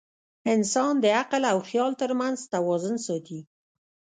انسان د عقل او خیال تر منځ توازن ساتي.